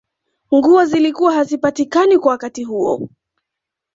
nguo zilikuwa hazipatikani kwa wakati huo